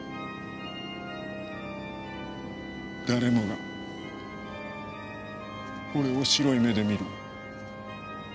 誰もが俺を白い目で見る。